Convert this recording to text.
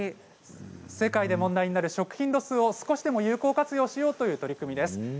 世界で問題になっている食品ロスを少しでも有効活用しようという取り組みです。